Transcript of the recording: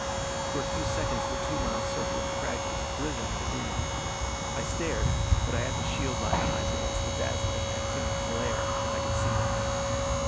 For a few seconds the two mile circle of crags was brilliantly illumined. I stared, but I had to shield my eyes against the dazzling actinic glare, and I could see nothing.